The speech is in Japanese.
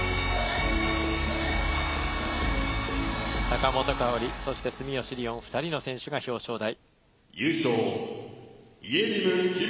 坂本花織、そして住吉りをん２人の選手が表彰台。